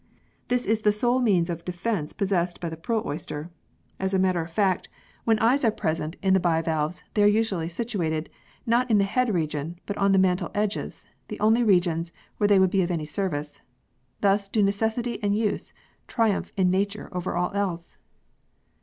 This is the sole means of defence pos sessed by the pearl oyster. As a matter of fact, in] THE PEARL OYSTER 39 when eyes are present in the bivalves they are usually situated, not in the head region, but on the mantle edges, the only regions where they would be of any service. Thus do necessity and use triumph in nature over all else.